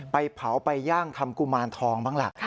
ไปเผาไปย่างทำกุมารทองบ้างล่ะ